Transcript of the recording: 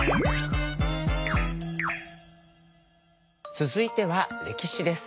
続いては歴史です。